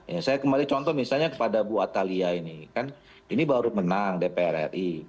ya saya kembali contoh misalnya kepada bu atalia ini kan ini baru menang dpr ri